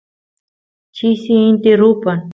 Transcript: chisi inti rupan